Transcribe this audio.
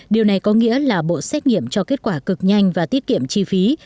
điều này có nghĩa là bộ xét nghiệm cho kết quả cực nhanh và tiết kiệm chi phí